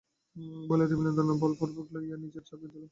বলিয়া বিনোদিনীর হাত বলপূর্বক লইয়া নিজের বুকের উপর চাপিয়া ধরিল।